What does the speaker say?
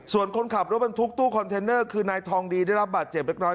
ส่วนคนขับรถบรรทุกตู้คอนเทนเนอร์คือนายทองดีได้รับบาดเจ็บเล็กน้อย